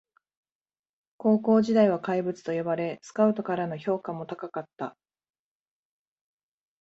高校時代は怪物と呼ばれスカウトからの評価も高かった